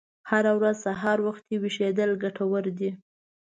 هره ورځ سهار وختي ویښیدل ګټور دي.